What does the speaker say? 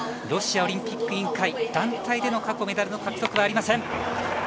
ロシアオリンピック委員会団体でのメダル獲得は過去、ありません。